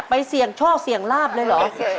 เสี่ยงโชคเสี่ยงลาบเลยเหรอ